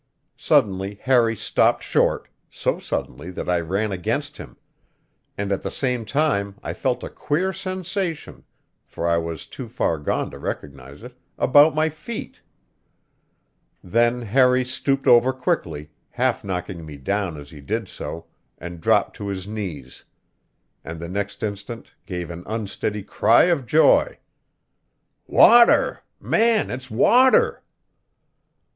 Suddenly Harry stopped short, so suddenly that I ran against him; and at the same time I felt a queer sensation for I was too far gone to recognize it about my feet. Then Harry stooped over quickly, half knocking me down as he did so, and dropped to his knees; and the next instant gave an unsteady cry of joy: "Water! Man, it's water!"